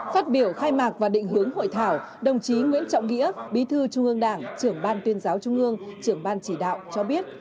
phát biểu khai mạc và định hướng hội thảo đồng chí nguyễn trọng nghĩa bí thư trung ương đảng trưởng ban tuyên giáo trung ương trưởng ban chỉ đạo cho biết